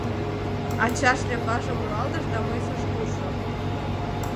Ача шляпажым руалтыш да мыйсыш куржо.